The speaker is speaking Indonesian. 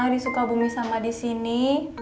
di sukabumi sama di sini